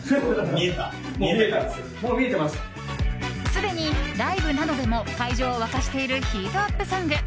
すでにライブなどでも会場を沸かしているヒートアップソング。